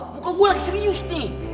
muka gue lagi serius nih